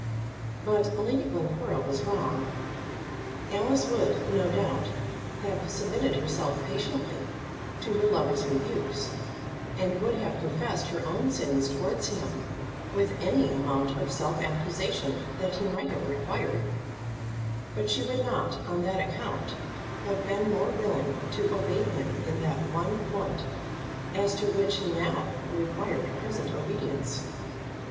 But Lady Glencora was wrong. Alice would, no doubt, have submitted herself patiently to her lover's rebukes, and would have confessed her own sins towards him with any amount of self accusation that he might have required; but she would not, on that account, have been more willing to obey him in that one point, as to which he now required present obedience.